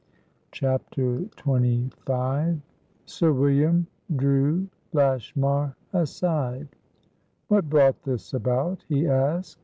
CHAPTER XXV Sir William drew Lashmar aside. "What brought this about?" he asked.